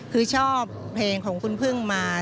คือชอบเพลงของคุณพึ่งมา